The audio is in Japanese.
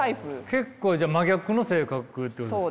結構じゃあ真逆の性格ってことですか？